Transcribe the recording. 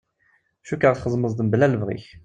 Cukkeɣ txedmeḍ-t mebla lebɣi-k.